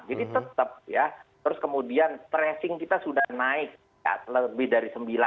jadi tetap ya terus kemudian tracing kita sudah naik ya lebih dari sembilan